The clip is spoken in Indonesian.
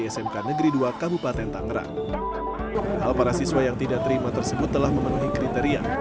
smk negeri dua kabupaten tangerang hal para siswa yang tidak terima tersebut telah memenuhi kriteria